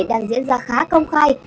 đang diễn ra khá công khai